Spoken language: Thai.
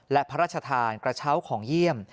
และพระราชทานกระเช้าของเยี่ยม